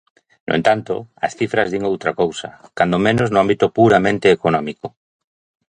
No entanto, as cifras din outra cousa, cando menos no ámbito puramente económico.